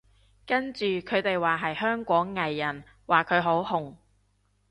跟住佢哋話係香港藝人，話佢好紅